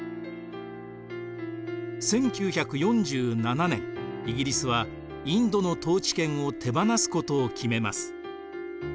１９４７年イギリスはインドの統治権を手放すことを決めます。